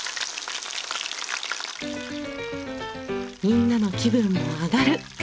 みんなの気分もアガる！